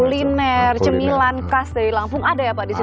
kuliner cemilan khas dari lampung ada ya pak di sini